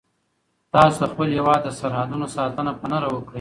تاسو د خپل هیواد د سرحدونو ساتنه په نره وکړئ.